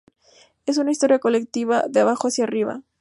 Es una historia colectiva, "de abajo hacia arriba".